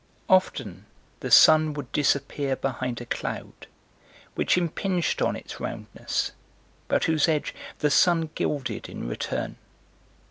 Often the sun would disappear behind a cloud, which impinged on its roundness, but whose edge the sun gilded in return.